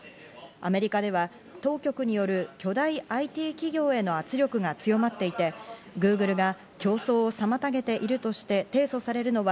アメリカでは当局による巨大ＩＴ企業への圧力が強まっていて、Ｇｏｏｇｌｅが競争を妨げているとして提訴されるのは